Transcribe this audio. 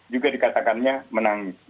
juga dikatakannya menangis